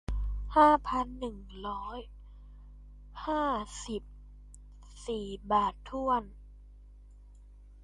ห้าพันหนึ่งร้อยห้าสิบสี่บาทถ้วน